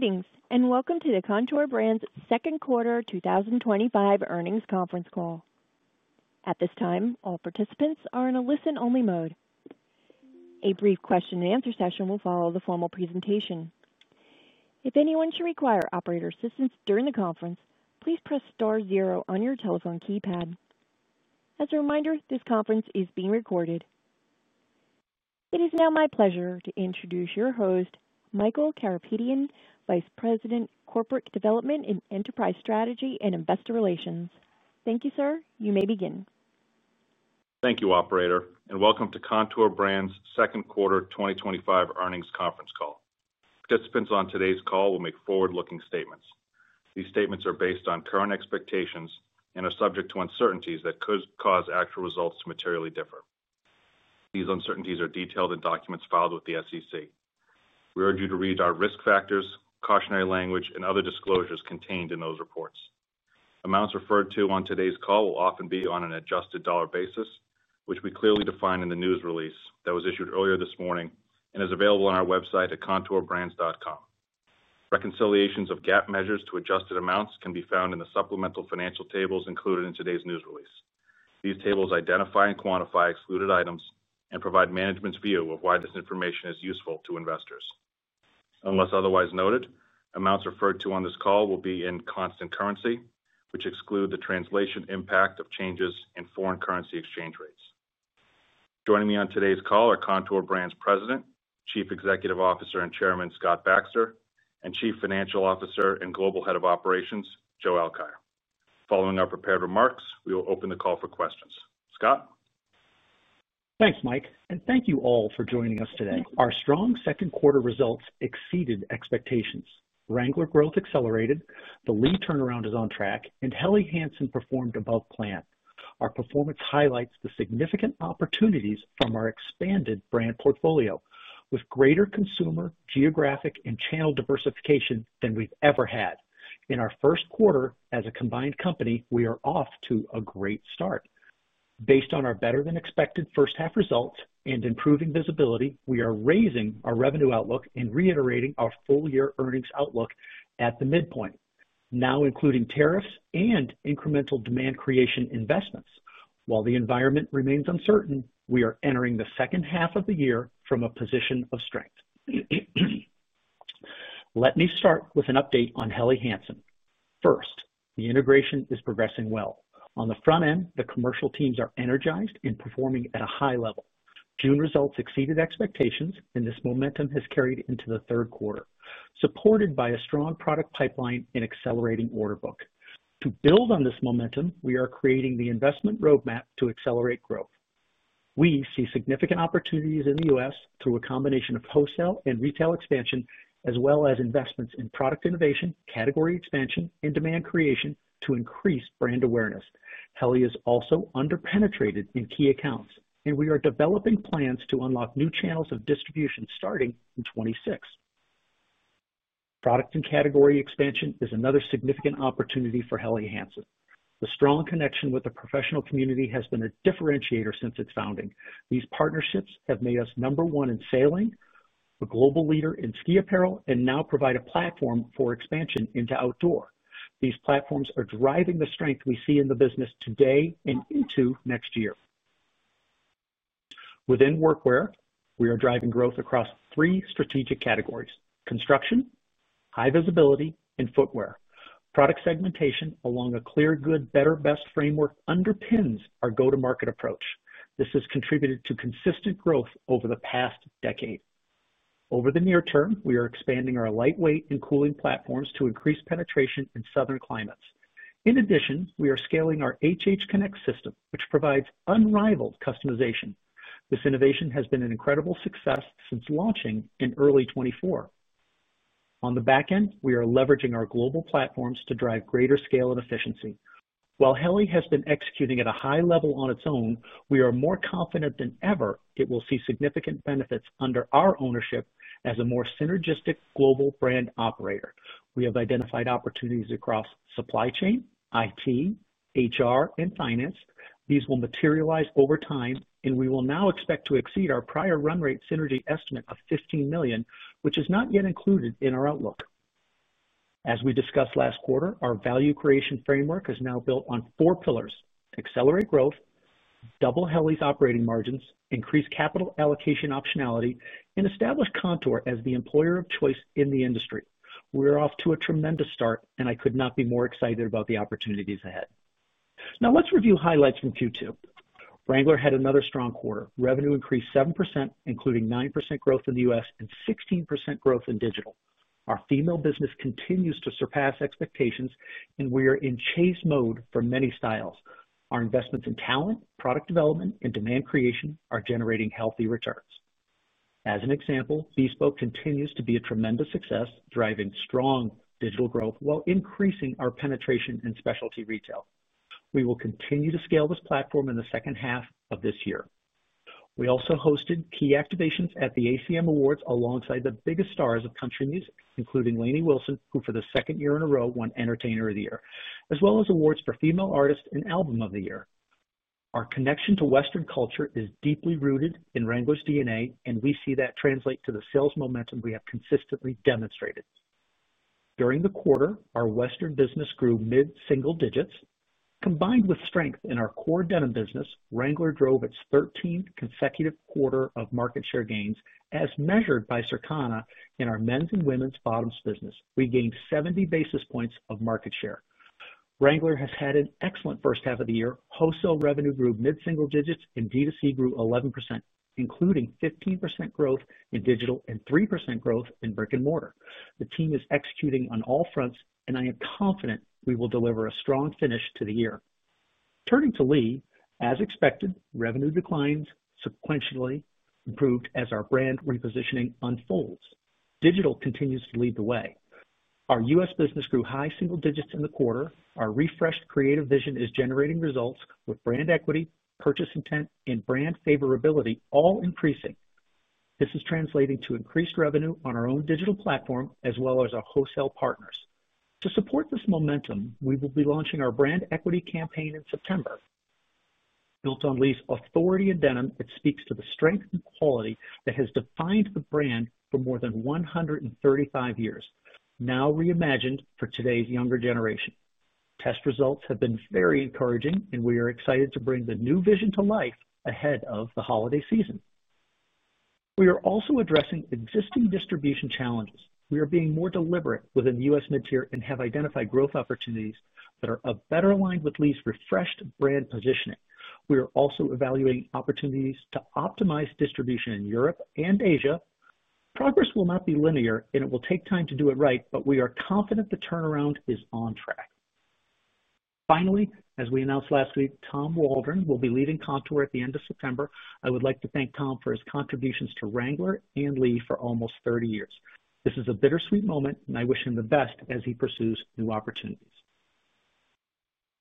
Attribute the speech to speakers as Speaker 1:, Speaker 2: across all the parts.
Speaker 1: Greetings, and welcome to the Kontoor Brands Second Quarter 2025 Earnings Conference Call. At this time, all participants are in a listen-only mode. A brief question-and-answer session will follow the formal presentation. If anyone should require operator assistance during the conference, please press star zero on your telephone keypad. As a reminder, this conference is being recorded. It is now my pleasure to introduce your host, Michael Karapetian, Vice President, Corporate Development and Enterprise Strategy and Investor Relations. Thank you, sir. You may begin.
Speaker 2: Thank you, operator, and welcome to Kontoor Brands' second quarter 2025 earnings conference call. Participants on today's call will make forward-looking statements. These statements are based on current expectations and are subject to uncertainties that could cause actual results to materially differ. These uncertainties are detailed in documents filed with the SEC. We urge you to read our risk factors, cautionary language, and other disclosures contained in those reports. Amounts referred to on today's call will often be on an adjusted dollar basis, which we clearly define in the news release that was issued earlier this morning and is available on our website at kontoorbrands.com. Reconciliations of GAAP measures to adjusted amounts can be found in the supplemental financial tables included in today's news release. These tables identify and quantify excluded items and provide management's view of why this information is useful to investors. Unless otherwise noted, amounts referred to on this call will be in constant currency, which exclude the translation impact of changes in foreign currency exchange rates. Joining me on today's call are Kontoor Brands' President, Chief Executive Officer and Chairman Scott Baxter, and Chief Financial Officer and Global Head of Operations, Joe Alkire. Following our prepared remarks, we will open the call for questions. Scott?
Speaker 3: Thanks, Mike, and thank you all for joining us today. Our strong second quarter results exceeded expectations. Wrangler growth accelerated, the Lee turnaround is on track, and Helly Hansen performed above plan. Our performance highlights the significant opportunities from our expanded brand portfolio, with greater consumer, geographic, and channel diversification than we've ever had. In our first quarter as a combined company, we are off to a great start. Based on our better-than-expected first half results and improving visibility, we are raising our revenue outlook and reiterating our full-year earnings outlook at the midpoint, now including tariffs and incremental demand creation investments. While the environment remains uncertain, we are entering the second half of the year from a position of strength. Let me start with an update on Helly Hansen. First, the integration is progressing well. On the front end, the commercial teams are energized and performing at a high level. June results exceeded expectations, and this momentum has carried into the third quarter, supported by a strong product pipeline and accelerating order book. To build on this momentum, we are creating the investment roadmap to accelerate growth. We see significant opportunities in the U.S. through a combination of wholesale and retail expansion, as well as investments in product innovation, category expansion, and demand creation to increase brand awareness. Helly is also underpenetrated in key accounts, and we are developing plans to unlock new channels of distribution starting in 2026. Product and category expansion is another significant opportunity for Helly Hansen. The strong connection with the professional community has been a differentiator since its founding. These partnerships have made us number one in sailing, a global leader in ski apparel, and now provide a platform for expansion into outdoor. These platforms are driving the strength we see in the business today and into next year. Within workwear, we are driving growth across three strategic categories: construction, high visibility, and footwear. Product segmentation along a clear good, better, best framework underpins our go-to-market approach. This has contributed to consistent growth over the past decade. Over the near term, we are expanding our lightweight and cooling platforms to increase penetration in southern climates. In addition, we are scaling our HHConnect system, which provides unrivaled customization. This innovation has been an incredible success since launching in early 2024. On the back end, we are leveraging our global platforms to drive greater scale and efficiency. While Helly Hansen has been executing at a high level on its own, we are more confident than ever it will see significant benefits under our ownership as a more synergistic global brand operator. We have identified opportunities across supply chain, IT, HR, and finance. These will materialize over time, and we will now expect to exceed our prior run rate synergy estimate of $15 million, which is not yet included in our outlook. As we discussed last quarter, our value creation framework is now built on four pillars: accelerate growth, double Helly Hansen's operating margins, increase capital allocation optionality, and establish Kontoor Brands as the employer of choice in the industry. We are off to a tremendous start, and I could not be more excited about the opportunities ahead. Now let's review highlights from Q2. Wrangler had another strong quarter. Revenue increased 7%, including 9% growth in the U.S. and 16% growth in digital. Our female business continues to surpass expectations, and we are in chase mode for many styles. Our investments in talent, product development, and demand creation are generating healthy returns. As an example, Bespoke continues to be a tremendous success, driving strong digital growth while increasing our penetration in specialty retail. We will continue to scale this platform in the second half of this year. We also hosted key activations at the ACM Awards alongside the biggest stars of country music, including Lainey Wilson, who for the second year in a row won Entertainer of the Year, as well as awards for Female Artist and Album of the Year. Our connection to Western culture is deeply rooted in Wrangler's DNA, and we see that translate to the sales momentum we have consistently demonstrated. During the quarter, our Western business grew mid-single digits. Combined with strength in our core denim business, Wrangler drove its 13th consecutive quarter of market share gains, as measured by Circana in our men's and women's bottoms business. We gained 70 basis points of market share. Wrangler has had an excellent first half of the year. Wholesale revenue grew mid-single digits, and D2C grew 11%, including 15% growth in digital and 3% growth in brick and mortar. The team is executing on all fronts, and I am confident we will deliver a strong finish to the year. Turning to Lee, as expected, revenue declines sequentially improved as our brand repositioning unfolds. Digital continues to lead the way. Our U.S. business grew high single digits in the quarter. Our refreshed creative vision is generating results with brand equity, purchase intent, and brand favorability all increasing. This is translating to increased revenue on our own digital platform as well as our wholesale partners. To support this momentum, we will be launching our brand equity campaign in September. Built on Lee's authority in denim, it speaks to the strength and quality that has defined the brand for more than 135 years, now reimagined for today's younger generation. Test results have been very encouraging, and we are excited to bring the new vision to life ahead of the holiday season. We are also addressing existing distribution challenges. We are being more deliberate within the U.S. mid-tier and have identified growth opportunities that are better aligned with Lee's refreshed brand positioning. We are also evaluating opportunities to optimize distribution in Europe and Asia. Progress will not be linear, and it will take time to do it right, but we are confident the turnaround is on track. Finally, as we announced last week, Tom Waldron will be leaving Kontoor Brands at the end of September. I would like to thank Tom for his contributions to Wrangler and Lee for almost 30 years. This is a bittersweet moment, and I wish him the best as he pursues new opportunities.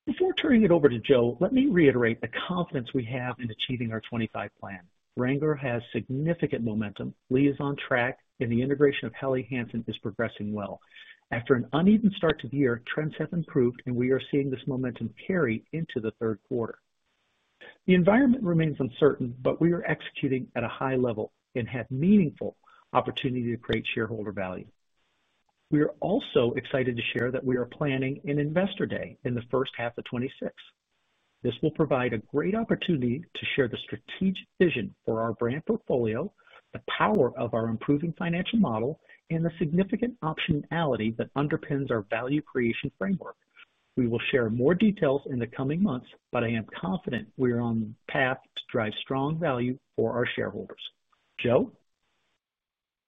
Speaker 3: Before turning it over to Joe, let me reiterate the confidence we have in achieving our 2025 plan. Wrangler has significant momentum. Lee is on track, and the integration of Helly Hansen is progressing well. After an uneven start to the year, trends have improved, and we are seeing this momentum carry into the third quarter. The environment remains uncertain, but we are executing at a high level and have meaningful opportunity to create shareholder value. We are also excited to share that we are planning an investor day in the first half of 2026. This will provide a great opportunity to share the strategic vision for our brand portfolio, the power of our improving financial model, and the significant optionality that underpins our value creation framework. We will share more details in the coming months, but I am confident we are on the path to drive strong value for our shareholders. Joe?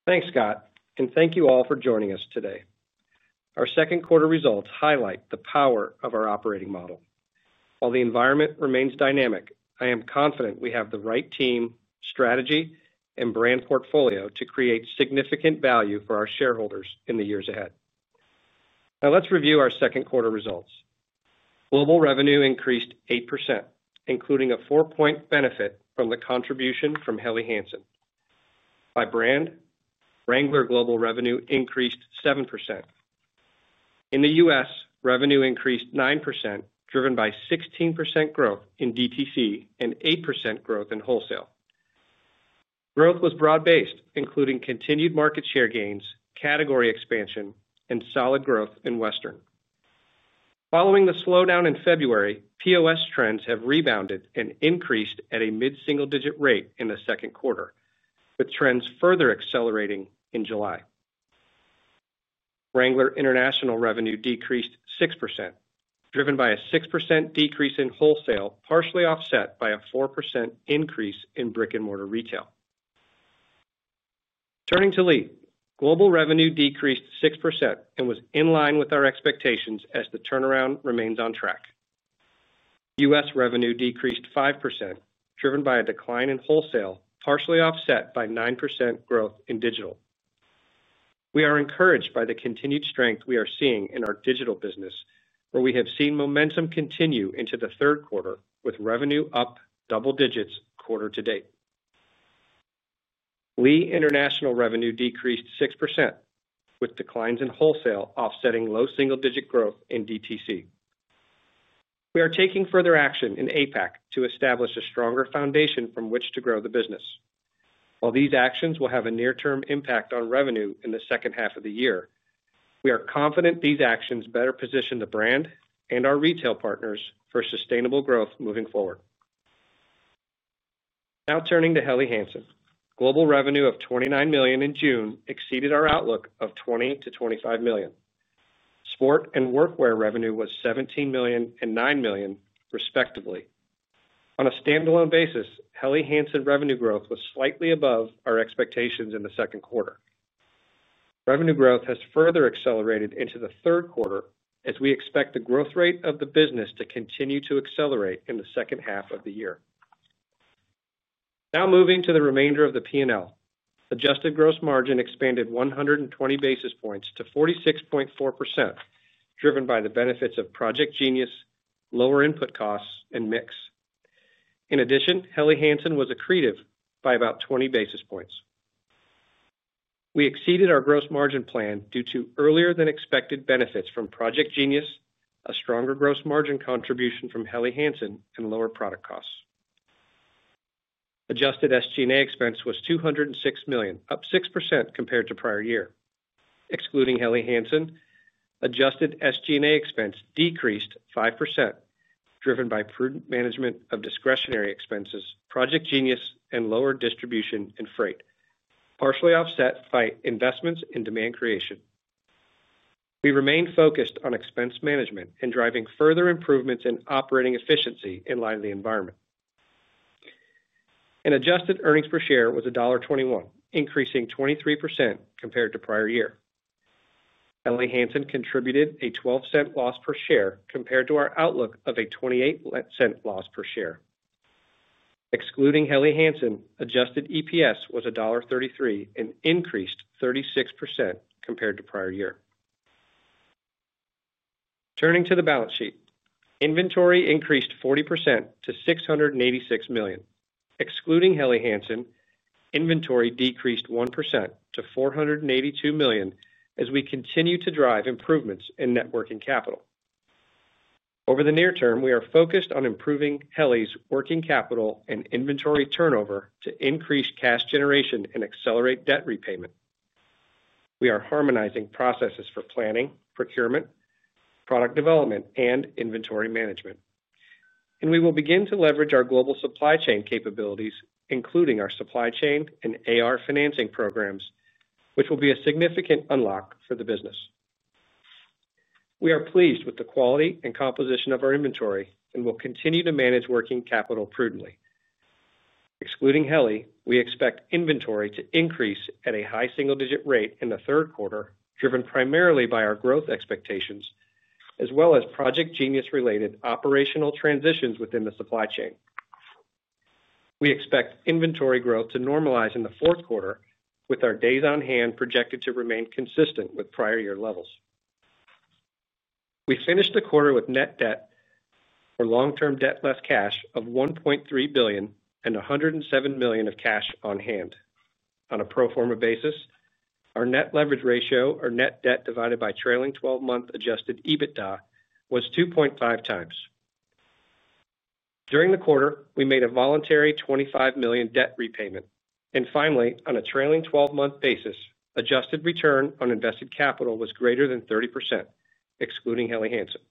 Speaker 4: Thanks, Scott, and thank you all for joining us today. Our second quarter results highlight the power of our operating model. While the environment remains dynamic, I am confident we have the right team, strategy, and brand portfolio to create significant value for our shareholders in the years ahead. Now let's review our second quarter results. Global revenue increased 8%, including a four-point benefit from the contribution from Helly Hansen. By brand, Wrangler global revenue increased 7%. In the U.S., revenue increased 9%, driven by 16% growth in DTC and 8% growth in wholesale. Growth was broad-based, including continued market share gains, category expansion, and solid growth in Western. Following the slowdown in February, POS trends have rebounded and increased at a mid-single-digit rate in the second quarter, with trends further accelerating in July. Wrangler international revenue decreased 6%, driven by a 6% decrease in wholesale, partially offset by a 4% increase in brick-and-mortar retail. Turning to Lee, global revenue decreased 6% and was in line with our expectations as the turnaround remains on track. U.S. revenue decreased 5%, driven by a decline in wholesale, partially offset by 9% growth in digital. We are encouraged by the continued strength we are seeing in our digital business, where we have seen momentum continue into the third quarter, with revenue up double digits quarter to date. Lee international revenue decreased 6%, with declines in wholesale offsetting low single-digit growth in DTC. We are taking further action in APAC to establish a stronger foundation from which to grow the business. While these actions will have a near-term impact on revenue in the second half of the year, we are confident these actions better position the brand and our retail partners for sustainable growth moving forward. Now turning to Helly Hansen, global revenue of $29 million in June exceeded our outlook of $20 million-$25 million. Sport and workwear revenue was $17 million and $9 million, respectively. On a standalone basis, Helly Hansen revenue growth was slightly above our expectations in the second quarter. Revenue growth has further accelerated into the third quarter, as we expect the growth rate of the business to continue to accelerate in the second half of the year. Now moving to the remainder of the P&L, adjusted gross margin expanded 120 basis points to 46.4%, driven by the benefits of Project Genius, lower input costs, and mix. In addition, Helly Hansen was accretive by about 20 basis points. We exceeded our gross margin plan due to earlier-than-expected benefits from Project Genius, a stronger gross margin contribution from Helly Hansen, and lower product costs. Adjusted SG&A expense was $206 million, up 6% compared to prior year. Excluding Helly Hansen, adjusted SG&A expense decreased 5%, driven by prudent management of discretionary expenses, Project Genius, and lower distribution and freight, partially offset by investments in demand creation. We remain focused on expense management and driving further improvements in operating efficiency in light of the environment. Adjusted earnings per share was $1.21, increasing 23% compared to prior year. Helly Hansen contributed a $0.12 loss per share compared to our outlook of a $0.28 loss per share. Excluding Helly Hansen, adjusted EPS was $1.33 and increased 36% compared to prior year. Turning to the balance sheet, inventory increased 40% to $686 million. Excluding Helly Hansen, inventory decreased 1% to $482 million as we continue to drive improvements in net working capital. Over the near term, we are focused on improving Helly's working capital and inventory turnover to increase cash generation and accelerate debt repayment. We are harmonizing processes for planning, procurement, product development, and inventory management. We will begin to leverage our global supply chain capabilities, including our supply chain and AR financing programs, which will be a significant unlock for the business. We are pleased with the quality and composition of our inventory and will continue to manage working capital prudently. Excluding Helly, we expect inventory to increase at a high single-digit rate in the third quarter, driven primarily by our growth expectations, as well as Project Genius-related operational transitions within the supply chain. We expect inventory growth to normalize in the fourth quarter, with our days on hand projected to remain consistent with prior year levels. We finished the quarter with net debt, or long-term debt less cash, of $1.3 billion and $107 million of cash on hand. On a pro forma basis, our net leverage ratio, or net debt divided by trailing 12-month adjusted EBITDA, was 2.5 times. During the quarter, we made a voluntary $25 million debt repayment. Finally, on a trailing 12-month basis, adjusted return on invested capital was greater than 30%, excluding Helly Hansen.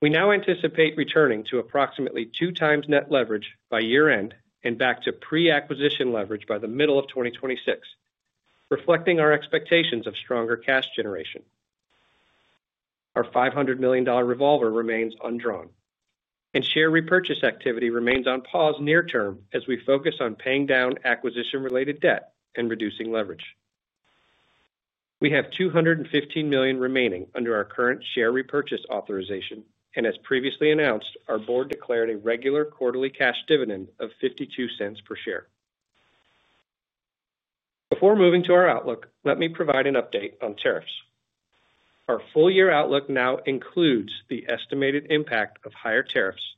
Speaker 4: We now anticipate returning to approximately 2x net leverage by year-end and back to pre-acquisition leverage by the middle of 2026, reflecting our expectations of stronger cash generation. Our $500 million revolver remains undrawn, and share repurchase activity remains on pause near-term as we focus on paying down acquisition-related debt and reducing leverage. We have $215 million remaining under our current share repurchase authorization, and as previously announced, our board declared a regular quarterly cash dividend of $0.52 per share. Before moving to our outlook, let me provide an update on tariffs. Our full-year outlook now includes the estimated impact of higher tariffs,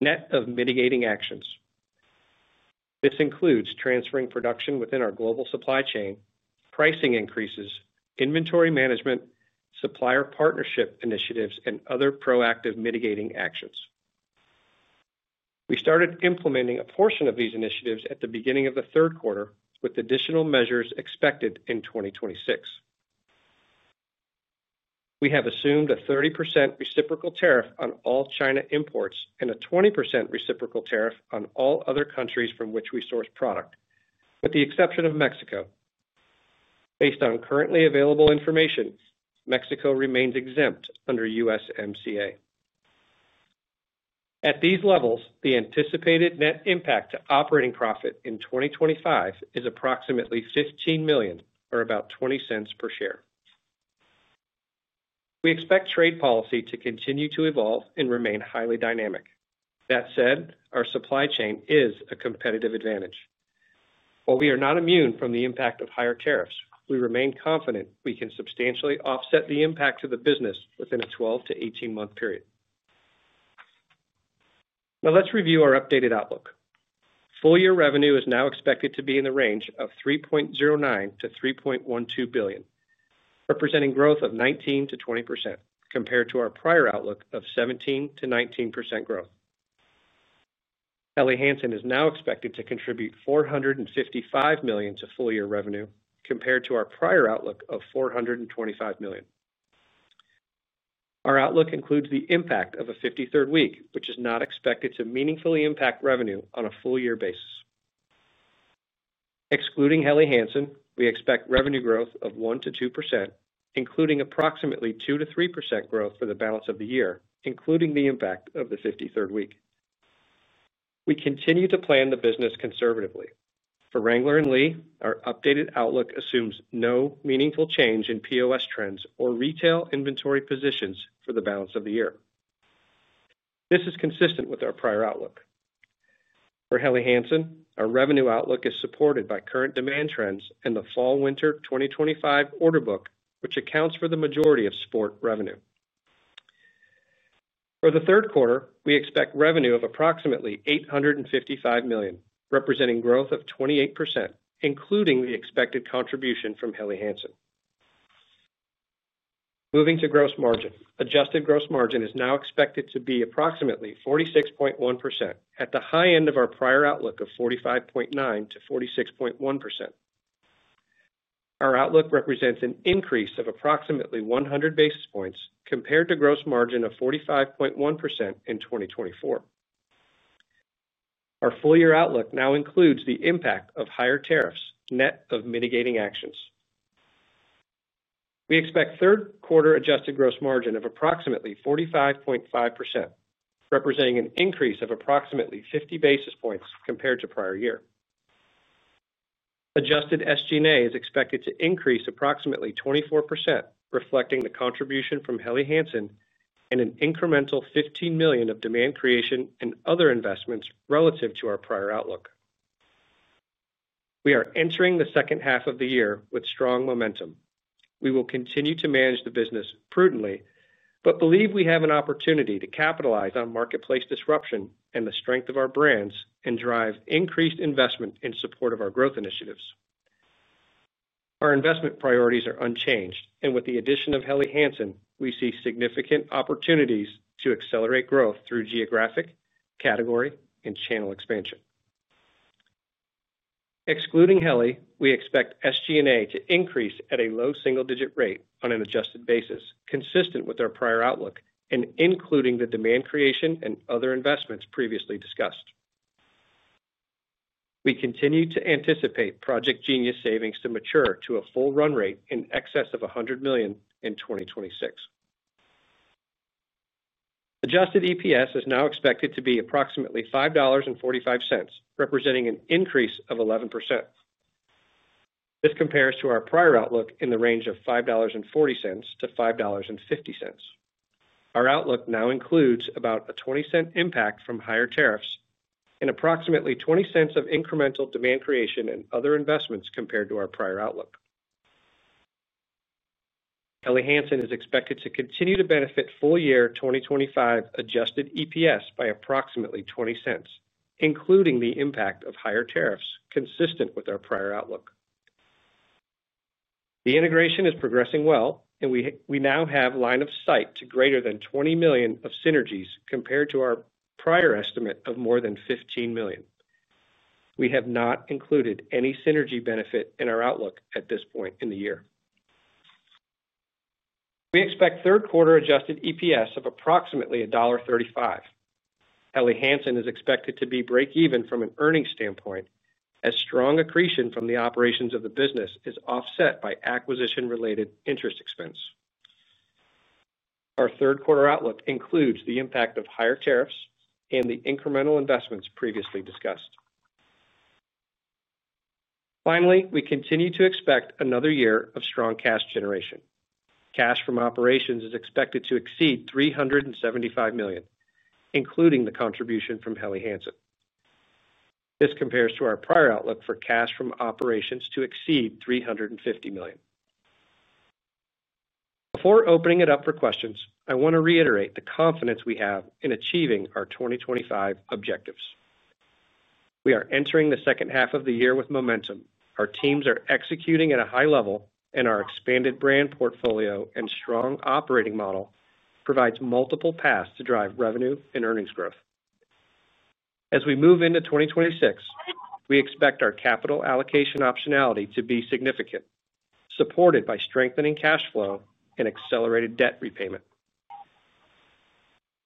Speaker 4: net of mitigating actions. This includes transferring production within our global supply chain, pricing increases, inventory management, supplier partnership initiatives, and other proactive mitigating actions. We started implementing a portion of these initiatives at the beginning of the third quarter, with additional measures expected in 2026. We have assumed a 30% reciprocal tariff on all China imports and a 20% reciprocal tariff on all other countries from which we source product, with the exception of Mexico. Based on currently available information, Mexico remains exempt under USMCA. At these levels, the anticipated net impact to operating profit in 2025 is approximately $15 million, or about $0.20 per share. We expect trade policy to continue to evolve and remain highly dynamic. That said, our supply chain is a competitive advantage. While we are not immune from the impact of higher tariffs, we remain confident we can substantially offset the impact to the business within a 12 month-18 month period. Now let's review our updated outlook. Full-year revenue is now expected to be in the range of $3.09 billion-$3.12 billion, representing growth of 19%-20% compared to our prior outlook of 17%-19% growth. Helly Hansen is now expected to contribute $455 million to full-year revenue compared to our prior outlook of $425 million. Our outlook includes the impact of a 53rd week, which is not expected to meaningfully impact revenue on a full-year basis. Excluding Helly Hansen, we expect revenue growth of 1%-2%, including approximately 2%-3% growth for the balance of the year, including the impact of the 53rd week. We continue to plan the business conservatively. For Wrangler and Lee, our updated outlook assumes no meaningful change in POS trends or retail inventory positions for the balance of the year. This is consistent with our prior outlook. For Helly Hansen, our revenue outlook is supported by current demand trends and the fall/winter 2025 order book, which accounts for the majority of sport revenue. For the third quarter, we expect revenue of approximately $855 million, representing growth of 28%, including the expected contribution from Helly Hansen. Moving to gross margin, adjusted gross margin is now expected to be approximately 46.1% at the high end of our prior outlook of 45.9%-46.1%. Our outlook represents an increase of approximately 100 basis points compared to gross margin of 45.1% in 2024. Our full-year outlook now includes the impact of higher tariffs, net of mitigating actions. We expect third quarter adjusted gross margin of approximately 45.5%, representing an increase of approximately 50 basis points compared to prior year. Adjusted SG&A is expected to increase approximately 24%, reflecting the contribution from Helly Hansen and an incremental $15 million of demand creation and other investments relative to our prior outlook. We are entering the second half of the year with strong momentum. We will continue to manage the business prudently, but believe we have an opportunity to capitalize on marketplace disruption and the strength of our brands and drive increased investment in support of our growth initiatives. Our investment priorities are unchanged, and with the addition of Helly Hansen, we see significant opportunities to accelerate growth through geographic, category, and channel expansion. Excluding Helly, we expect SG&A to increase at a low single-digit rate on an adjusted basis, consistent with our prior outlook and including the demand creation and other investments previously discussed. We continue to anticipate Project Genius savings to mature to a full run rate in excess of $100 million in 2026. Adjusted EPS is now expected to be approximately $5.45, representing an increase of 11%. This compares to our prior outlook in the range of $5.40-$5.50. Our outlook now includes about a $0.20 impact from higher tariffs and approximately $0.20 of incremental demand creation and other investments compared to our prior outlook. Helly Hansen is expected to continue to benefit full-year 2025 adjusted EPS by approximately $0.20, including the impact of higher tariffs, consistent with our prior outlook. The integration is progressing well, and we now have line of sight to greater than $20 million of synergies compared to our prior estimate of more than $15 million. We have not included any synergy benefit in our outlook at this point in the year. We expect third quarter adjusted EPS of approximately $1.35. Helly Hansen is expected to be breakeven from an earnings standpoint, as strong accretion from the operations of the business is offset by acquisition-related interest expense. Our third quarter outlook includes the impact of higher tariffs and the incremental investments previously discussed. Finally, we continue to expect another year of strong cash generation. Cash from operations is expected to exceed $375 million, including the contribution from Helly Hansen. This compares to our prior outlook for cash from operations to exceed $350 million. Before opening it up for questions, I want to reiterate the confidence we have in achieving our 2025 objectives. We are entering the second half of the year with momentum. Our teams are executing at a high level, and our expanded brand portfolio and strong operating model provide multiple paths to drive revenue and earnings growth. As we move into 2026, we expect our capital allocation optionality to be significant, supported by strengthening cash flow and accelerated debt repayment.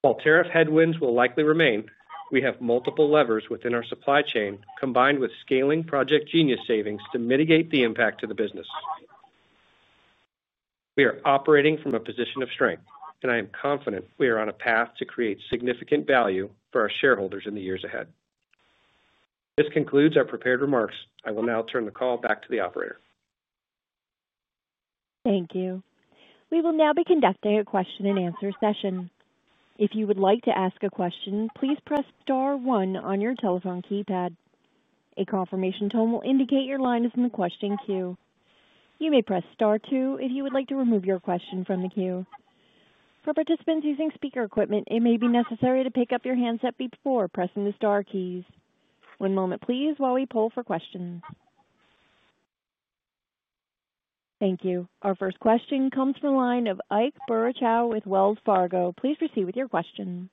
Speaker 4: While tariff headwinds will likely remain, we have multiple levers within our supply chain, combined with scaling Project Genius savings to mitigate the impact to the business. We are operating from a position of strength, and I am confident we are on a path to create significant value for our shareholders in the years ahead. This concludes our prepared remarks. I will now turn the call back to the operator.
Speaker 1: Thank you. We will now be conducting a question-and-answer session. If you would like to ask a question, please press star one on your telephone keypad. A confirmation tone will indicate your line is in the question queue. You may press star two if you would like to remove your question from the queue. For participants using speaker equipment, it may be necessary to pick up your handset before pressing the star keys. One moment, please, while we pull for questions. Thank you. Our first question comes from a line of Ike Boruchow with Wells Fargo. Please proceed with your question.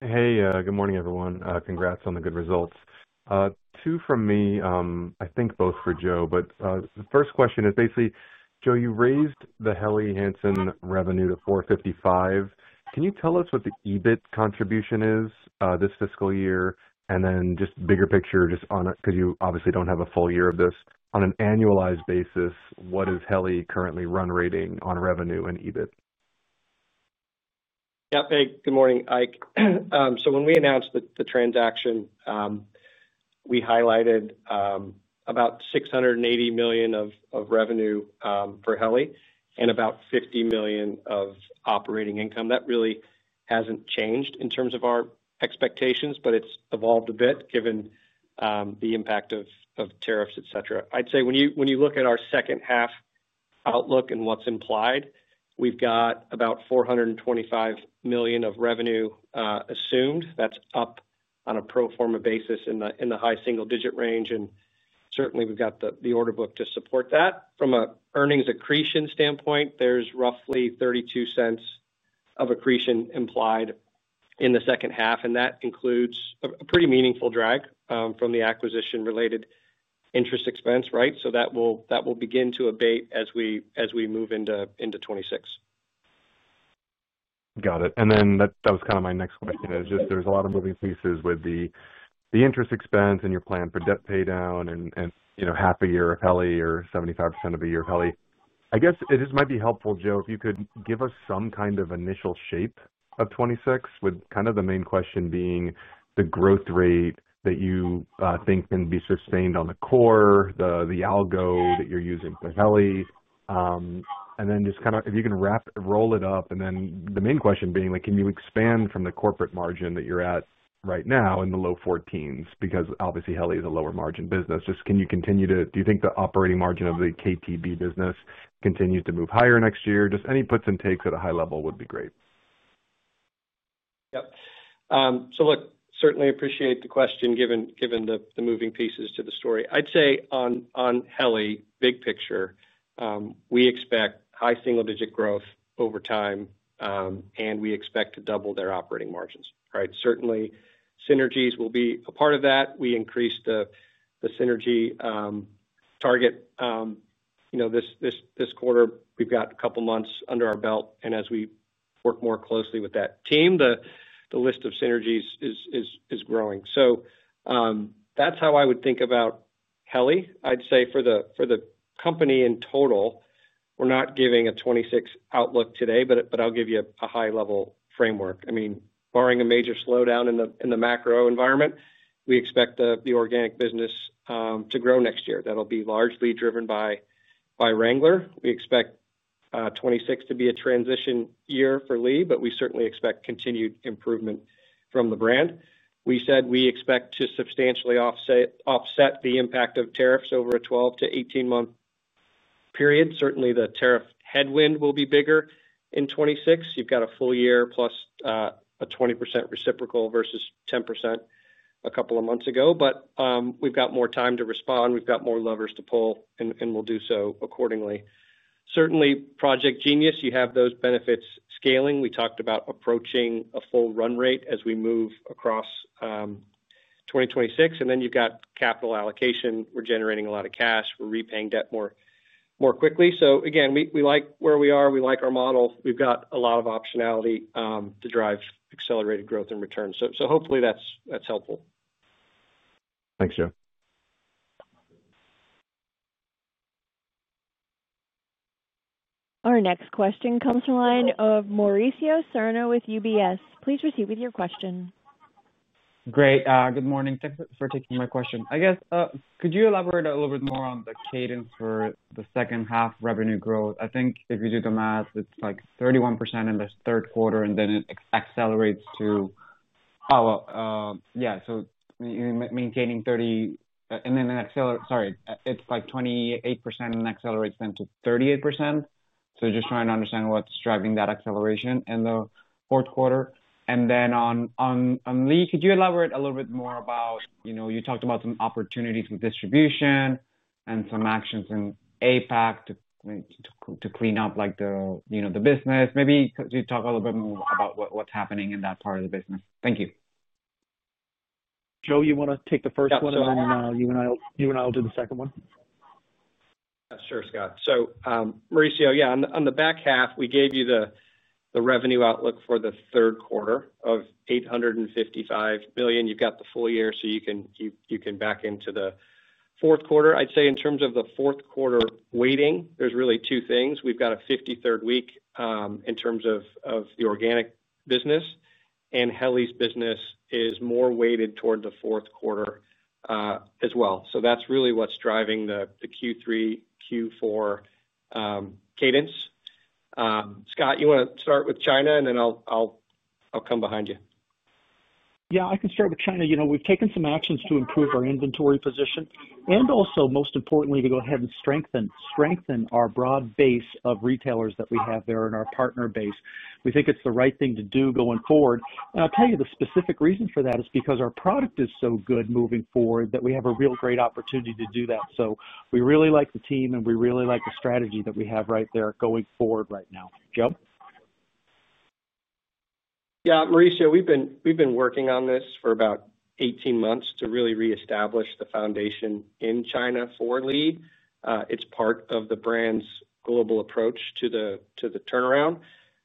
Speaker 5: Hey, good morning, everyone. Congrats on the good results. Two from me, I think both for Joe, but the first question is basically, Joe, you raised the Helly Hansen revenue to $455 million. Can you tell us what the EBIT contribution is this fiscal year? Then just bigger picture, just on it, because you obviously don't have a full year of this, on an annualized basis, what is Helly currently run rating on revenue and EBIT?
Speaker 3: Yeah, hey, good morning, Ike. When we announced the transaction, we highlighted about $680 million of revenue for Helly Hansen and about $50 million of operating income. That really hasn't changed in terms of our expectations, but it's evolved a bit given the impact of tariffs, et cetera. I'd say when you look at our second half outlook and what's implied, we've got about $425 million of revenue assumed. That's up on a pro forma basis in the high single-digit range, and certainly we've got the order book to support that. From an earnings accretion standpoint, there's roughly $0.32 of accretion implied in the second half, and that includes a pretty meaningful drag from the acquisition-related interest expense, right? That will begin to abate as we move into 2026.
Speaker 5: Got it. That was kind of my next question. There's a lot of moving pieces with the interest expense and your plan for debt repayment and half a year of Helly or 75% of a year of Helly. I guess it might be helpful, Joe, if you could give us some kind of initial shape of 2026, with the main question being the growth rate that you think can be sustained on the core, the algo that you're using for Helly. If you can roll it up, the main question is, can you expand from the corporate margin that you're at right now in the low 14%? Obviously, Helly is a lower margin business. Can you continue to, do you think the operating margin of the Kontoor Brands business continues to move higher next year? Any puts and takes at a high level would be great.
Speaker 3: Yep. Certainly appreciate the question given the moving pieces to the story. I'd say on Helly Hansen, big picture, we expect high single-digit growth over time, and we expect to double their operating margins, right? Certainly, synergies will be a part of that. We increased the synergy target. This quarter, we've got a couple of months under our belt, and as we work more closely with that team, the list of synergies is growing. That's how I would think about Helly Hansen. I'd say for the company in total, we're not giving a 2026 outlook today, but I'll give you a high-level framework. I mean, barring a major slowdown in the macro environment, we expect the organic business to grow next year. That'll be largely driven by Wrangler. We expect 2026 to be a transition year for Lee, but we certainly expect continued improvement from the brand. We said we expect to substantially offset the impact of tariffs over a 12 month-18 month period. Certainly, the tariff headwind will be bigger in 2026. You've got a full year plus a 20% reciprocal versus 10% a couple of months ago, but we've got more time to respond. We've got more levers to pull, and we'll do so accordingly. Certainly, Project Genius, you have those benefits scaling. We talked about approaching a full run rate as we move across 2026, and then you've got capital allocation. We're generating a lot of cash. We're repaying debt more quickly. Again, we like where we are. We like our model. We've got a lot of optionality to drive accelerated growth and return. Hopefully, that's helpful.
Speaker 5: Thanks, Joe.
Speaker 1: Our next question comes from the line of Mauricio Serno with UBS. Please proceed with your question.
Speaker 6: Great. Good morning. Thanks for taking my question. Could you elaborate a little bit more on the cadence for the second half revenue growth? I think if you do the math, it's like 31% in the third quarter, and then it accelerates to, oh, yeah, so maintaining 30%, and then it accelerates, sorry, it's like 28% and accelerates then to 38%. Just trying to understand what's driving that acceleration in the fourth quarter. On Lee, could you elaborate a little bit more about, you know, you talked about some opportunities with distribution and some actions in APAC to clean up the business. Maybe could you talk a little bit more about what's happening in that part of the business? Thank you.
Speaker 3: Joe, you want to take the first one, and then you and I will do the second one?
Speaker 4: Sure, Scott. Mauricio, on the back half, we gave you the revenue outlook for the third quarter of $855 million. You've got the full year, so you can back into the fourth quarter. In terms of the fourth quarter weighting, there are really two things. We've got a 53rd week in terms of the organic business, and Helly Hansen's business is more weighted toward the fourth quarter as well. That is really what's driving the Q3, Q4 cadence. Scott, you want to start with China, and then I'll come behind you.
Speaker 3: I can start with China. We've taken some actions to improve our inventory position and also, most importantly, to go ahead and strengthen our broad base of retailers that we have there and our partner base. We think it's the right thing to do going forward. The specific reason for that is because our product is so good moving forward that we have a real great opportunity to do that. We really like the team, and we really like the strategy that we have right there going forward right now. Joe?
Speaker 4: Mauricio, we've been working on this for about 18 months to really reestablish the foundation in China for Lee. It's part of the brand's global approach to the turnaround.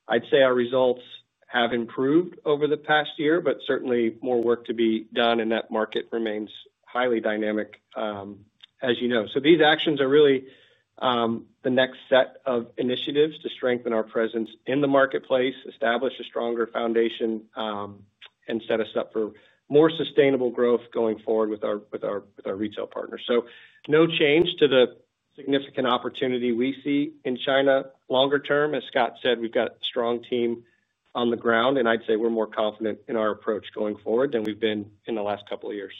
Speaker 4: Our results have improved over the past year, but certainly more work to be done, and that market remains highly dynamic, as you know. These actions are really the next set of initiatives to strengthen our presence in the marketplace, establish a stronger foundation, and set us up for more sustainable growth going forward with our retail partners. There is no change to the significant opportunity we see in China longer term. As Scott said, we've got a strong team on the ground, and I'd say we're more confident in our approach going forward than we've been in the last couple of years.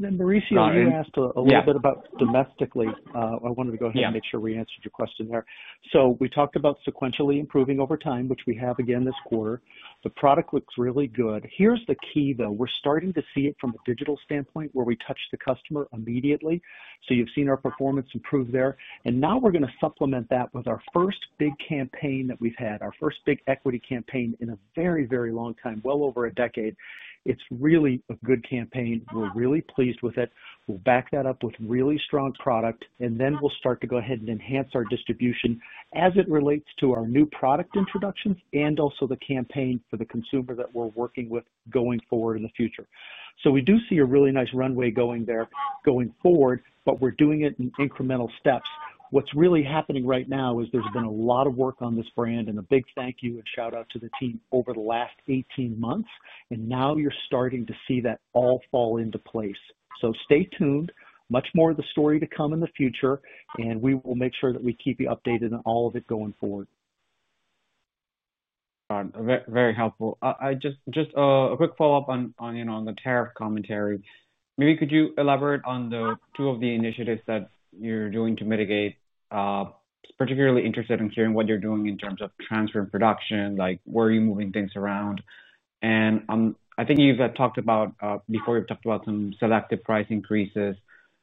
Speaker 3: Mauricio, you asked a little bit about domestically. I wanted to go ahead and make sure we answered your question there. We talked about sequentially improving over time, which we have again this quarter. The product looks really good. Here's the key, though. We're starting to see it from a digital standpoint where we touch the customer immediately. You've seen our performance improve there. Now we're going to supplement that with our first big campaign that we've had, our first big equity campaign in a very, very long time, well over a decade. It's really a good campaign. We're really pleased with it. We'll back that up with really strong product, and then we'll start to go ahead and enhance our distribution as it relates to our new product introductions and also the campaign for the consumer that we're working with going forward in the future. We do see a really nice runway going there going forward, but we're doing it in incremental steps. What's really happening right now is there's been a lot of work on this brand, and a big thank you and shout out to the team over the last 18 months. Now you're starting to see that all fall into place. Stay tuned. Much more of the story to come in the future, and we will make sure that we keep you updated on all of it going forward.
Speaker 6: All right, very helpful. Just a quick follow-up on, you know, on the tariff commentary. Maybe could you elaborate on the two of the initiatives that you're doing to mitigate? I'm particularly interested in hearing what you're doing in terms of transfer and production, like where are you moving things around? I think you've talked about, before you've talked about some selective price increases.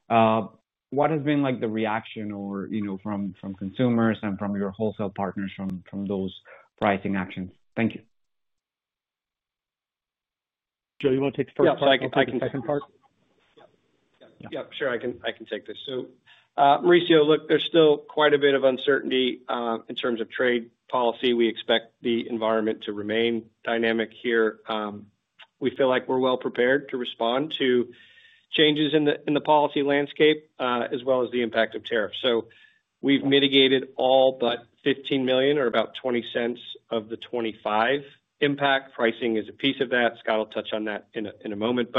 Speaker 6: What has been like the reaction or, you know, from consumers and from your wholesale partners from those pricing actions?
Speaker 3: Thank you. Joe, you want to take the first part, the second part?
Speaker 4: Yep, yep, yep, sure, I can take this. Mauricio, look, there's still quite a bit of uncertainty in terms of trade policy. We expect the environment to remain dynamic here. We feel like we're well prepared to respond to changes in the policy landscape as well as the impact of tariffs. We've mitigated all but $15 million or about $0.20 of the $25 million impact. Pricing is a piece of that. Scott will touch on that in a moment.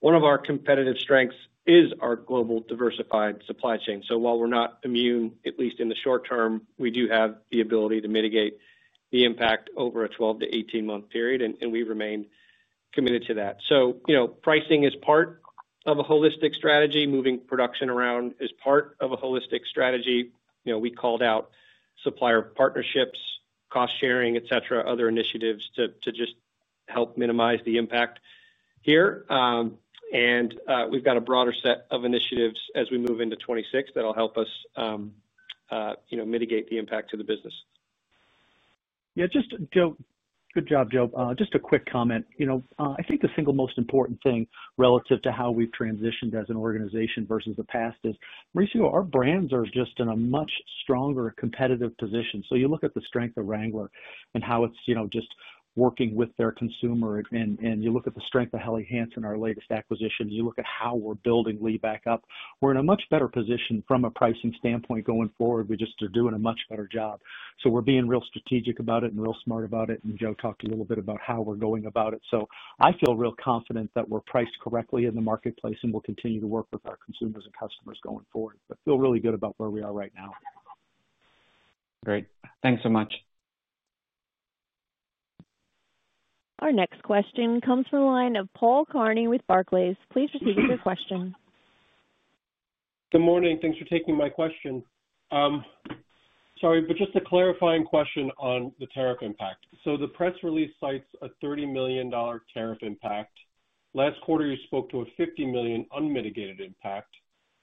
Speaker 4: One of our competitive strengths is our global diversified supply chain. While we're not immune, at least in the short term, we do have the ability to mitigate the impact over a 12 month-18 month period, and we remain committed to that. Pricing is part of a holistic strategy. Moving production around is part of a holistic strategy. We called out supplier partnerships, cost sharing, et cetera, other initiatives to just help minimize the impact here. We've got a broader set of initiatives as we move into 2026 that'll help us mitigate the impact to the business.
Speaker 3: Yeah, just Joe, good job, Joe. Just a quick comment. I think the single most important thing relative to how we've transitioned as an organization versus the past is, Mauricio, our brands are just in a much stronger competitive position. You look at the strength of Wrangler and how it's just working with their consumer, and you look at the strength of Helly Hansen, our latest acquisition. You look at how we're building Lee back up. We're in a much better position from a pricing standpoint going forward. We just are doing a much better job. We're being real strategic about it and real smart about it, and Joe talked a little bit about how we're going about it. I feel real confident that we're priced correctly in the marketplace, and we'll continue to work with our consumers and customers going forward. I feel really good about where we are right now.
Speaker 6: Great, thanks so much.
Speaker 1: Our next question comes from a line of Paul Kearney with Barclays. Please proceed with your question.
Speaker 7: Good morning. Thanks for taking my question. Sorry, but just a clarifying question on the tariff impact. The press release cites a $30 million tariff impact. Last quarter, you spoke to a $50 million unmitigated impact.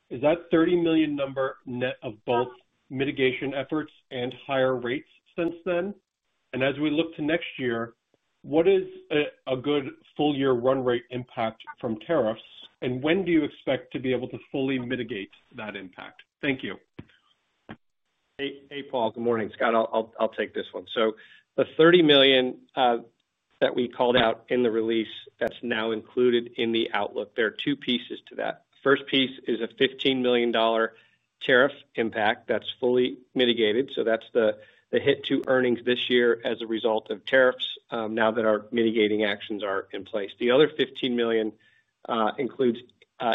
Speaker 7: Is that $30 million number net of both mitigation efforts and higher rates since then? As we look to next year, what is a good full-year run rate impact from tariffs, and when do you expect to be able to fully mitigate that impact? Thank you.
Speaker 4: Hey, Paul. Good morning. Scott, I'll take this one. The $30 million that we called out in the release that's now included in the outlook, there are two pieces to that. The first piece is a $15 million tariff impact that's fully mitigated. That's the hit to earnings this year as a result of tariffs now that our mitigating actions are in place. The other $15 million includes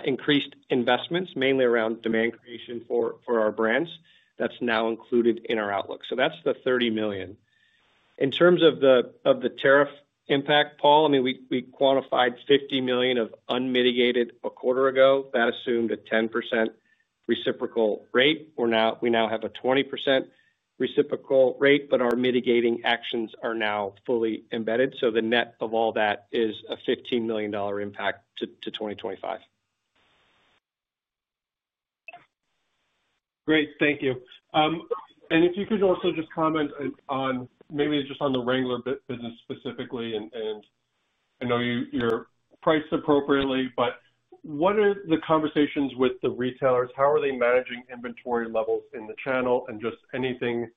Speaker 4: increased investments, mainly around demand creation for our brands. That's now included in our outlook. That's the $30 million. In terms of the tariff impact, Paul, we quantified $50 million of unmitigated a quarter ago. That assumed a 10% reciprocal rate. We now have a 20% reciprocal rate, but our mitigating actions are now fully embedded. The net of all that is a $15 million impact to 2025.
Speaker 7: Great. Thank you. If you could also just comment on maybe just on the Wrangler business specifically, and I know you're priced appropriately, what are the conversations with the retailers? How are they managing inventory levels in the channel and anything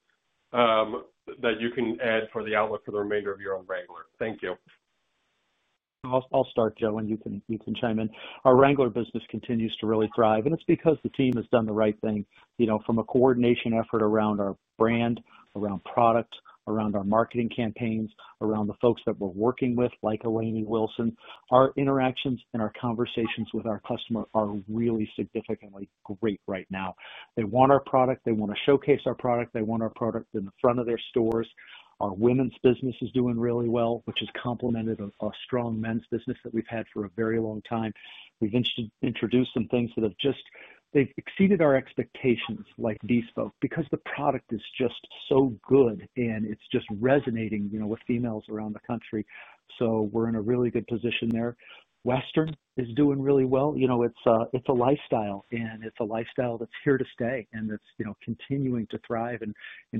Speaker 7: that you can add for the outlook for the remainder of year on Wrangler? Thank you.
Speaker 3: I'll start, Joe, and you can chime in. Our Wrangler business continues to really thrive, and it's because the team has done the right thing from a coordination effort around our brand, around product, around our marketing campaigns, around the folks that we're working with, like Eleni Wilson. Our interactions and our conversations with our customer are really significantly great right now. They want our product. They want to showcase our product. They want our product in the front of their stores. Our women's business is doing really well, which has complemented a strong men's business that we've had for a very long time. We've introduced some things that have just, they've exceeded our expectations, like Bespoke, because the product is just so good, and it's just resonating with females around the country. We are in a really good position there. Western is doing really well. You know, it's a lifestyle, and it's a lifestyle that's here to stay, and it's, you know, continuing to thrive, and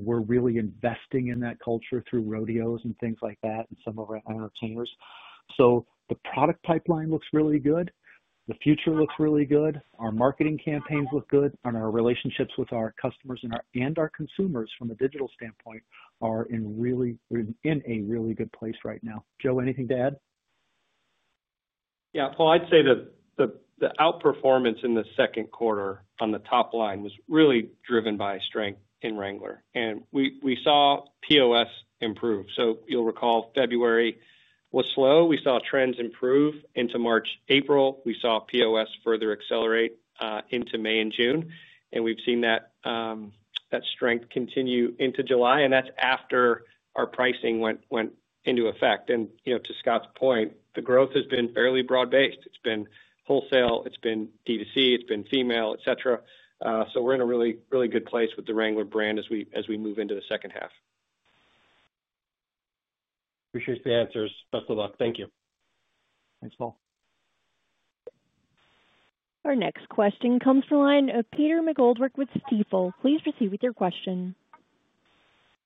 Speaker 3: we're really investing in that culture through rodeos and things like that and some of our entertainers. The product pipeline looks really good. The future looks really good. Our marketing campaigns look good, and our relationships with our customers and our consumers from a digital standpoint are in a really good place right now. Joe, anything to add?
Speaker 4: Yeah, Paul, I'd say that the outperformance in the second quarter on the top line was really driven by strength in Wrangler, and we saw POS improve. You'll recall February was slow. We saw trends improve into March, April. We saw POS further accelerate into May and June, and we've seen that strength continue into July, and that's after our pricing went into effect. You know, to Scott's point, the growth has been fairly broad-based. It's been wholesale. It's been D2C. It's been female, et cetera. We're in a really, really good place with the Wrangler brand as we move into the second half.
Speaker 7: Appreciate the answers. Best of luck. Thank you.
Speaker 4: Thanks, Paul.
Speaker 1: Our next question comes from a line of Peter McGoldrick with Stifel. Please proceed with your question.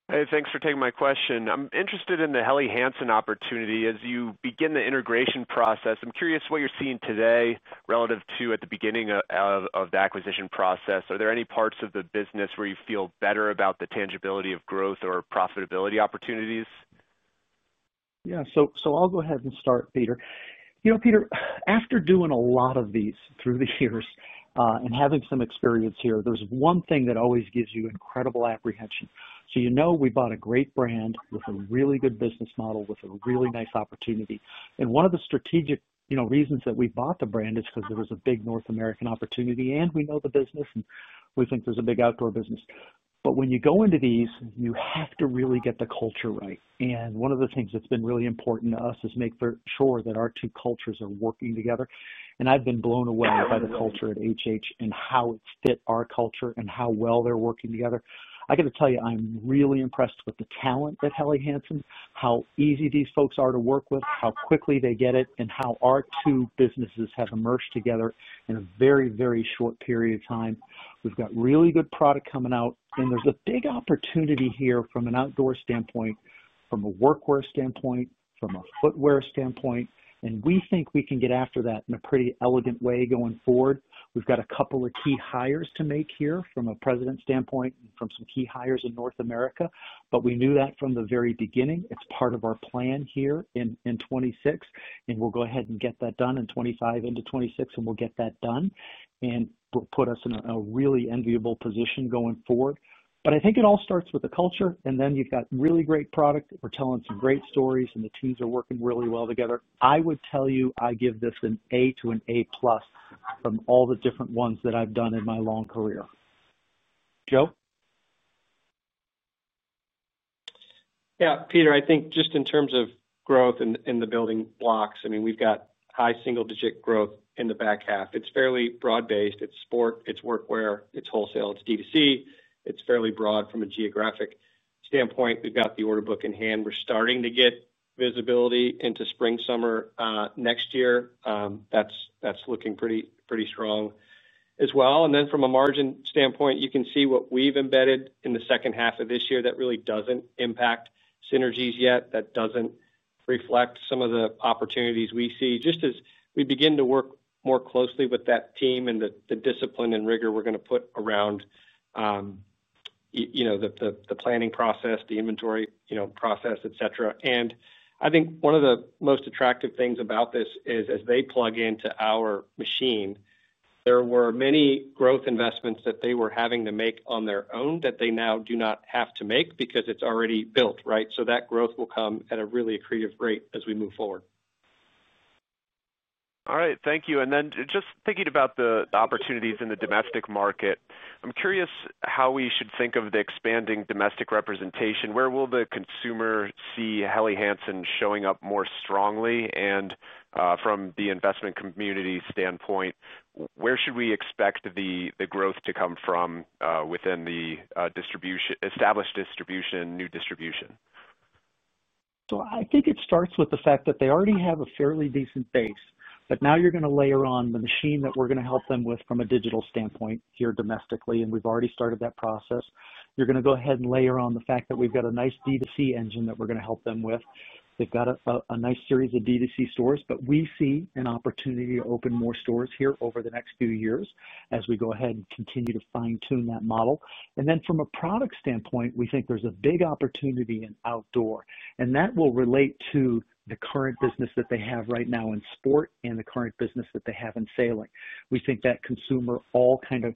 Speaker 8: Hey, thanks for taking my question. I'm interested in the Helly Hansen opportunity as you begin the integration process. I'm curious what you're seeing today relative to at the beginning of the acquisition process. Are there any parts of the business where you feel better about the tangibility of growth or profitability opportunities?
Speaker 3: Yeah, I'll go ahead and start, Peter. After doing a lot of these through the years and having some experience here, there's one thing that always gives you incredible apprehension. We bought a great brand with a really good business model with a really nice opportunity. One of the strategic reasons that we bought the brand is because there was a big North American opportunity, and we know the business, and we think there's a big outdoor business. When you go into these, you have to really get the culture right. One of the things that's been really important to us is making sure that our two cultures are working together. I've been blown away by the culture at Helly Hansen and how it fit our culture and how well they're working together. I got to tell you, I'm really impressed with the talent at Helly Hansen, how easy these folks are to work with, how quickly they get it, and how our two businesses have emerged together in a very, very short period of time. We've got really good product coming out, and there's a big opportunity here from an outdoor standpoint, from a workwear standpoint, from a footwear standpoint. We think we can get after that in a pretty elegant way going forward. We've got a couple of key hires to make here from a President standpoint and from some key hires in North America, but we knew that from the very beginning. It's part of our plan here in 2026, and we'll go ahead and get that done in 2025 into 2026, and we'll get that done. It will put us in a really enviable position going forward. I think it all starts with the culture, and then you've got really great product. We're telling some great stories, and the teams are working really well together. I would tell you I give this an A to an A+ from all the different ones that I've done in my long career. Joe? Yeah, Peter, I think just in terms of growth and the building blocks, we've got high single-digit growth in the back half. It's fairly broad-based. It's sport, it's workwear, it's wholesale, it's D2C. It's fairly broad from a geographic standpoint. We've got the order book in hand. We're starting to get visibility into spring/summer next year. That's looking pretty strong as well. From a margin standpoint, you can see what we've embedded in the second half of this year that really doesn't impact synergies yet, that doesn't reflect some of the opportunities we see. As we begin to work more closely with that team and the discipline and rigor we're going to put around the planning process, the inventory process, et cetera, I think one of the most attractive things about this is as they plug into our machine, there were many growth investments that they were having to make on their own that they now do not have to make because it's already built, right? That growth will come at a really accretive rate as we move forward.
Speaker 8: All right, thank you. Just thinking about the opportunities in the domestic market, I'm curious how we should think of the expanding domestic representation. Where will the consumer see Helly Hansen showing up more strongly? From the investment community standpoint, where should we expect the growth to come from within the established distribution, new distribution?
Speaker 3: I think it starts with the fact that they already have a fairly decent base, but now you're going to layer on the machine that we're going to help them with from a digital standpoint here domestically, and we've already started that process. You're going to go ahead and layer on the fact that we've got a nice D2C engine that we're going to help them with. They've got a nice series of D2C stores, but we see an opportunity to open more stores here over the next few years as we go ahead and continue to fine-tune that model. From a product standpoint, we think there's a big opportunity in outdoor, and that will relate to the current business that they have right now in sport and the current business that they have in sailing. We think that consumer all kind of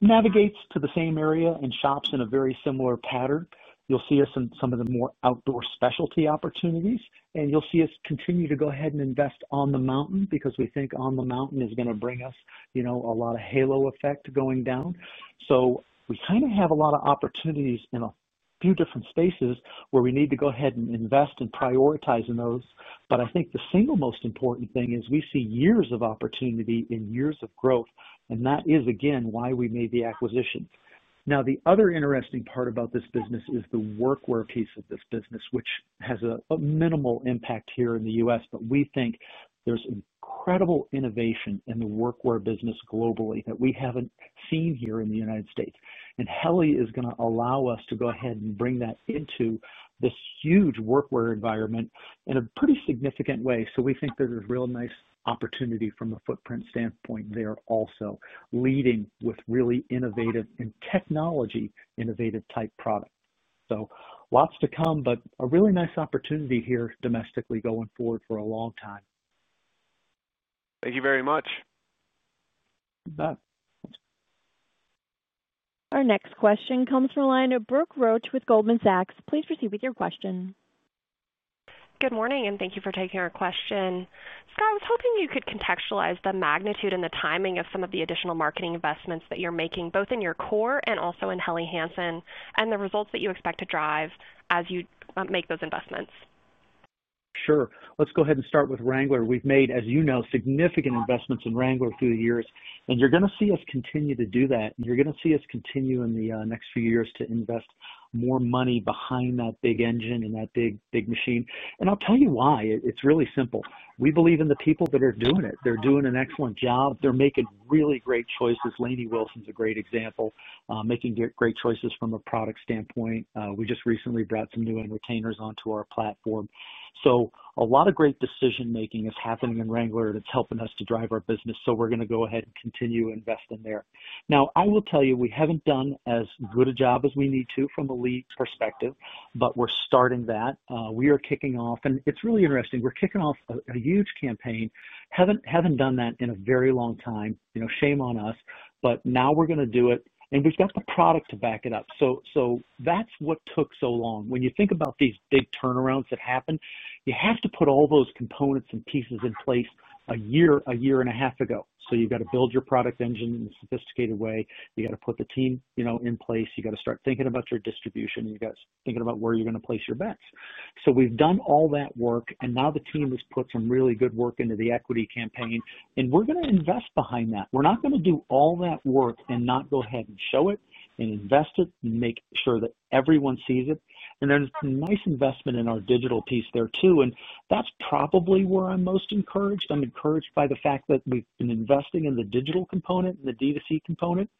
Speaker 3: navigates to the same area and shops in a very similar pattern. You'll see us in some of the more outdoor specialty opportunities, and you'll see us continue to go ahead and invest on the mountain because we think on the mountain is going to bring us a lot of halo effect going down. We have a lot of opportunities in a few different spaces where we need to go ahead and invest and prioritize in those. I think the single most important thing is we see years of opportunity and years of growth, and that is again why we made the acquisition. The other interesting part about this business is the workwear piece of this business, which has a minimal impact here in the U.S., but we think there's incredible innovation in the workwear business globally that we haven't seen here in the United States. Helly Hansen is going to allow us to go ahead and bring that into this huge workwear environment in a pretty significant way. We think there's a real nice opportunity from a footprint standpoint there also, leading with really innovative and technology-innovative type product. Lots to come, but a really nice opportunity here domestically going forward for a long time.
Speaker 8: Thank you very much.
Speaker 1: Our next question comes from a line of Brooke Roach with Goldman Sachs. Please proceed with your question.
Speaker 9: Good morning, and thank you for taking our question. Scott, I was hoping you could contextualize the magnitude and the timing of some of the additional marketing investments that you're making, both in your core and also in Helly Hansen, and the results that you expect to drive as you make those investments.
Speaker 3: Sure. Let's go ahead and start with Wrangler. We've made, as you know, significant investments in Wrangler through the years, and you're going to see us continue to do that. You're going to see us continue in the next few years to invest more money behind that big engine and that big, big machine. I'll tell you why. It's really simple. We believe in the people that are doing it. They're doing an excellent job. They're making really great choices. Layne Wilson's a great example, making great choices from a product standpoint. We just recently brought some new entertainers onto our platform. A lot of great decision-making is happening in Wrangler, and it's helping us to drive our business. We're going to go ahead and continue to invest in there. Now, I will tell you, we haven't done as good a job as we need to from the Lee perspective, but we're starting that. We are kicking off, and it's really interesting. We're kicking off a huge campaign. Haven't done that in a very long time. You know, shame on us. Now we're going to do it, and we've got the product to back it up. That's what took so long. When you think about these big turnarounds that happen, you have to put all those components and pieces in place a year, a year and a half ago. You've got to build your product engine in a sophisticated way. You've got to put the team in place. You've got to start thinking about your distribution. You've got to start thinking about where you're going to place your bets. We've done all that work, and now the team has put some really good work into the equity campaign, and we're going to invest behind that. We're not going to do all that work and not go ahead and show it and invest it and make sure that everyone sees it. It's a nice investment in our digital piece there, too. That's probably where I'm most encouraged. I'm encouraged by the fact that we've been investing in the digital component and the D2C component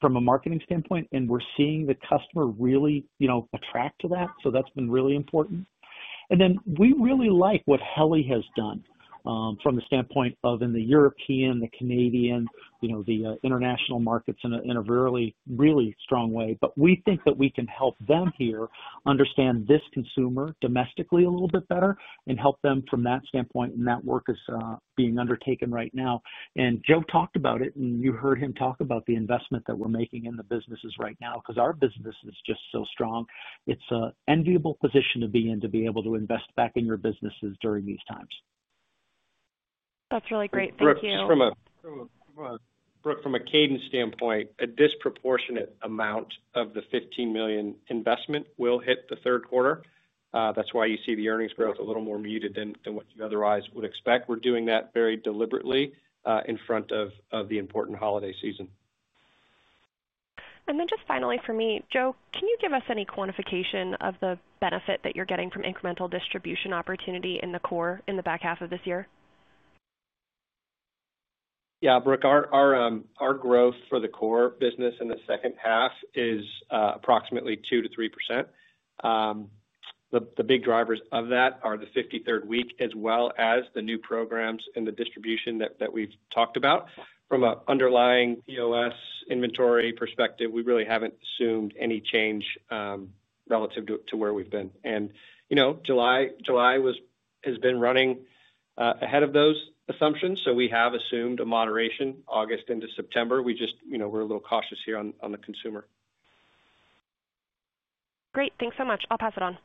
Speaker 3: from a marketing standpoint, and we're seeing the customer really attract to that. That's been really important. We really like what Helly Hansen has done from the standpoint of in the European, the Canadian, the international markets in a really, really strong way. We think that we can help them here understand this consumer domestically a little bit better and help them from that standpoint, and that work is being undertaken right now. Joe talked about it, and you heard him talk about the investment that we're making in the businesses right now because our business is just so strong. It's an enviable position to be in to be able to invest back in your businesses during these times.
Speaker 9: That's really great. Thank you.
Speaker 4: Brooke, from a cadence standpoint, a disproportionate amount of the $15 million investment will hit the third quarter. That's why you see the earnings growth a little more muted than what you otherwise would expect. We're doing that very deliberately in front of the important holiday season.
Speaker 9: Joe, can you give us any quantification of the benefit that you're getting from incremental distribution opportunity in the core in the back half of this year?
Speaker 4: Yeah, Brooke, our growth for the core business in the second half is approximately 2%-3%. The big drivers of that are the 53rd week as well as the new programs in the distribution that we've talked about. From an underlying EOS inventory perspective, we really haven't assumed any change relative to where we've been. July has been running ahead of those assumptions, so we have assumed a moderation August into September. We're a little cautious here on the consumer.
Speaker 9: Great, thanks so much. I'll pass it on.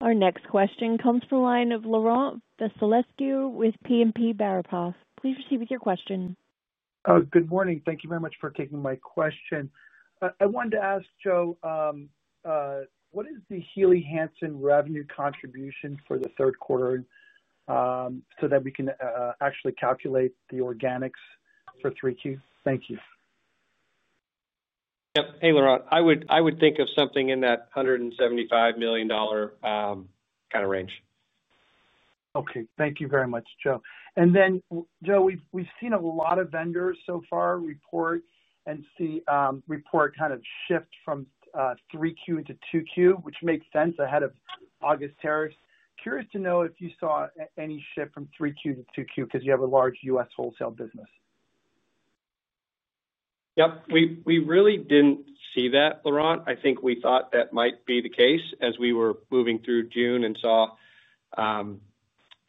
Speaker 1: Our next question comes from a line of Laurent Vasilescu with BNP Paribas. Please proceed with your question.
Speaker 10: Good morning. Thank you very much for taking my question. I wanted to ask, Joe, what is the Helly Hansen revenue contribution for the third quarter so that we can actually calculate the organics for 3Q? Thank you.
Speaker 4: Yep. Hey, Laurent. I would think of something in that $175 million kind of range.
Speaker 10: Okay. Thank you very much, Joe. And then, Joe, we've seen a lot of vendors so far report and see report kind of shift from 3Q into 2Q, which makes sense ahead of August tariffs. Curious to know if you saw any shift from 3Q to 2Q because you have a large U.S. wholesale business.
Speaker 4: Yep. We really didn't see that, Laurent. I think we thought that might be the case as we were moving through June and saw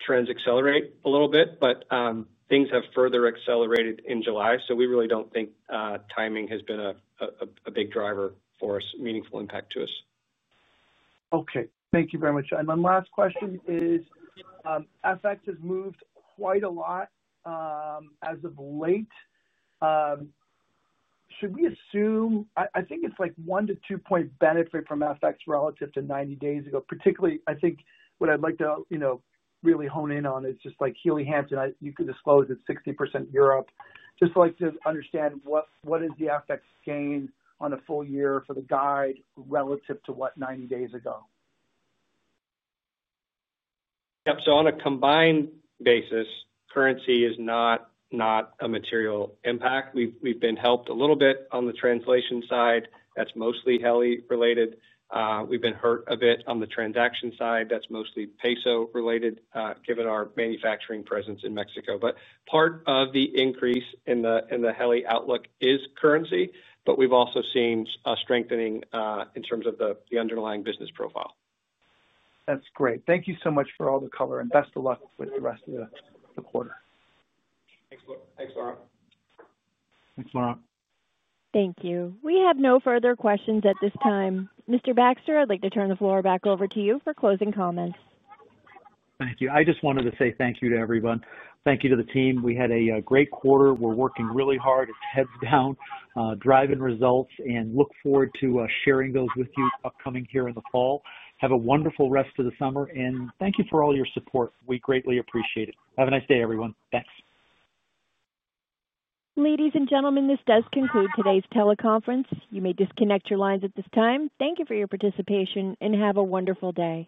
Speaker 4: trends accelerate a little bit, but things have further accelerated in July, so we really don't think timing has been a big driver for us, meaningful impact to us.
Speaker 10: Okay. Thank you very much. And my last question is, FX has moved quite a lot as of late. Should we assume, I think it's like 1 point-2 point benefit from FX relative to 90 days ago, particularly I think what I'd like to, you know, really hone in on is just like Helly Hansen, you could disclose it's 60% Europe. Just like to understand what is the FX gain on a full year for the guide relative to what 90 days ago?
Speaker 4: Yep. So on a combined basis, currency is not a material impact. We've been helped a little bit on the translation side. That's mostly Helly related. We've been hurt a bit on the transaction side. That's mostly peso related given our manufacturing presence in Mexico. Part of the increase in the Helly outlook is currency, but we've also seen a strengthening in terms of the underlying business profile.
Speaker 10: That's great. Thank you so much for all the color, and best of luck with the rest of the quarter.
Speaker 4: Thanks, Laurent.
Speaker 3: Thanks, Laurent.
Speaker 1: Thank you. We have no further questions at this time. Mr. Baxter, I'd like to turn the floor back over to you for closing comments.
Speaker 3: Thank you. I just wanted to say thank you to everyone. Thank you to the team. We had a great quarter. We're working really hard. It's heads down, driving results, and look forward to sharing those with you upcoming here in the fall. Have a wonderful rest of the summer, and thank you for all your support. We greatly appreciate it. Have a nice day, everyone. Thanks.
Speaker 1: Ladies and gentlemen, this does conclude today's teleconference. You may disconnect your lines at this time. Thank you for your participation, and have a wonderful day.